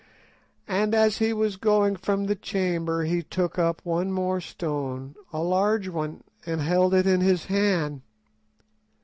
And as he was going from the chamber he took up one more stone, a large one, and held it in his hand."